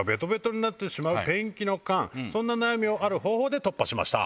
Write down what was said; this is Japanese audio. そんな悩みをある方法で突破しました。